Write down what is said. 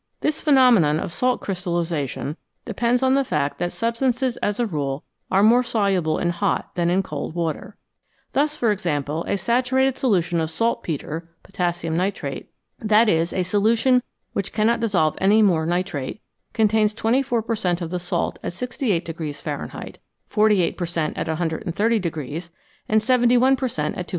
This phenomenon of salt crystallisation depends on the fact that substances as a rule are more soluble in hot than in cold water. Thus, for example, a satu rated solution of saltpetre (potassium nitrate) that is, a solution which cannot dissolve any more nitrate contains 24 per cent, of the salt at 68 Fahrenheit, 48 per cent, at 130, and 71 per cent, at 212.